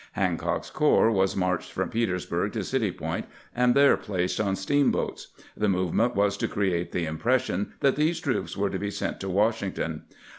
Hancock's corps was marched from Petersburg to City Point, and there placed on steamboats. The movement was to create the impression that these troops were to be sent to Washington.